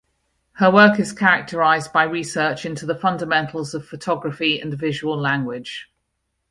Her work is characterized by research into the fundamentals of photography and visual language.